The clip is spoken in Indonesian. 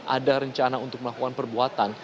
ada rencana untuk melakukan perbuatan